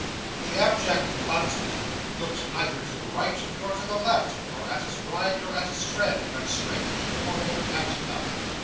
The abject Bunsby looked neither to the right nor to the left, nor at his bride, nor at his friend, but straight before him at nothing.